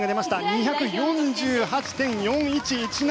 ２４８．４１１７。